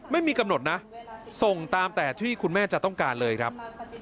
ไม่มีกำหนดนะส่งตามแต่ที่คุณแม่จะต้องการเลยครับ